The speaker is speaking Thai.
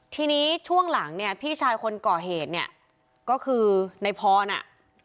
ทีนี้ช่วงหลังเนี่ยพี่ชายคนก่อเหตุเนี่ยก็คือในพรน่ะ